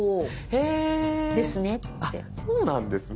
へえそうなんですね。